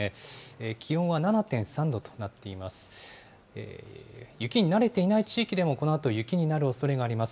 気温は７．３度となっています。